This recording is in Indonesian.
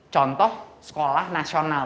contoh sekolah nasional